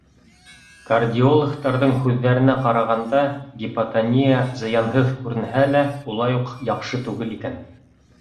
Кардиологтарҙың һүҙҙәренә ҡарағанда, гипотония, зыянһыҙ күренһә лә, улай уҡ яҡшы түгел икән.